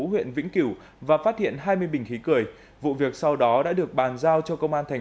huyện vĩnh cửu và phát hiện hai mươi bình khí cười vụ việc sau đó đã được bàn giao cho công an thành